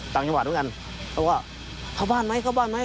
ต่างจังหวัดด้วยกันเขาก็เข้าบ้านไหมเข้าบ้านไหม